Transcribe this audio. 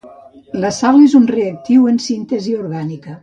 La sal és un reactiu en síntesi orgànica.